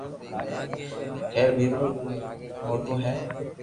ھير مير پور خاص رو موٽو ھي